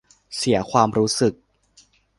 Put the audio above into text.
เสียความรู้สึก